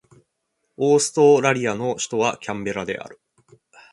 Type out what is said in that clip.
オーストラリアの首都はキャンベラである